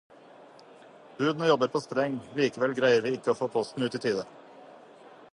Budene jobber på spreng, likevel greier vi ikke å få posten ut i tide.